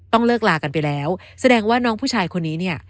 เลิกลากันไปแล้วแสดงว่าน้องผู้ชายคนนี้เนี่ย